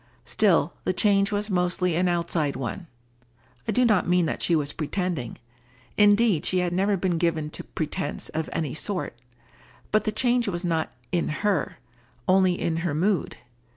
Still, the change was mostly an outside one. I do not mean that she was pretending. Indeed she had never been given to pretence of any sort. But the change was not in her, only in her mood.